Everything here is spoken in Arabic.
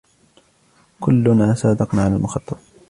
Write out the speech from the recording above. كلنا صادقنا على المخطط.